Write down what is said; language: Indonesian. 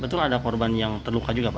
betul ada korban yang terluka juga pak